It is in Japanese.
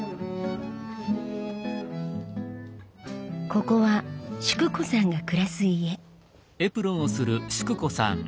ここは淑子さんが暮らす家。